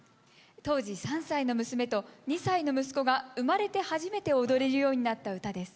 当時３歳の娘と２歳の息子が生まれて初めて踊れるようになった歌です。